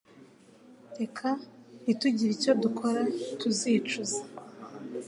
Reka ntitugire icyo dukora tuzicuza